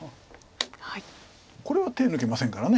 これは手抜けませんから。